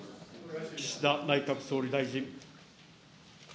岸田内閣総理大臣。